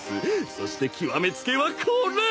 そして極め付けはこれ！